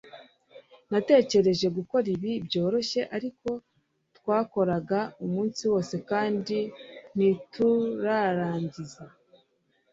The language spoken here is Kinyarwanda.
natekereje gukora ibi byoroshye, ariko twakoraga umunsi wose kandi ntiturarangiza